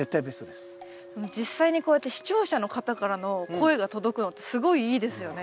でも実際にこうやって視聴者の方からの声が届くのってすごいいいですよね。